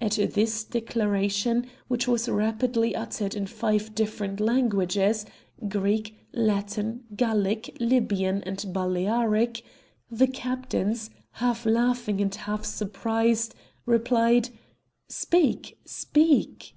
At this declaration, which was rapidly uttered in five different languages, Greek, Latin, Gallic, Libyan and Balearic, the captains, half laughing and half surprised, replied: "Speak! Speak!"